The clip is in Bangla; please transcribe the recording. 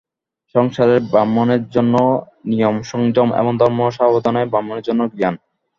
সংসারে ব্রাহ্মণের জন্য নিয়মসংযম এবং ধর্মসাধনায় ব্রাহ্মণের জন্য জ্ঞান।